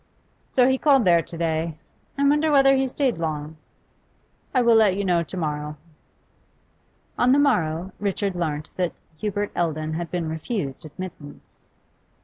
'So he called there to day? I wonder whether he stayed long?' 'I will let you know to morrow.' On the morrow Richard learnt that Hubert Eldon had been refused admittance.